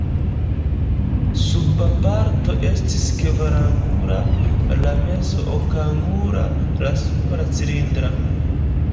La suba parto estis kvarangula, la mezo okangula, la supra cilindra.